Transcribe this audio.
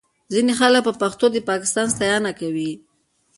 ځینې خلک په پښتو د پاکستان ستاینه کوي